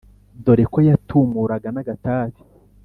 dore ko yatumuraga n'agatabi,